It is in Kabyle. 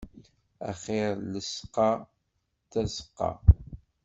Axir llesqa, tazeqqa.